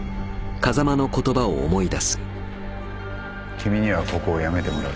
君にはここを辞めてもらう。